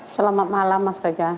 selamat malam mas raja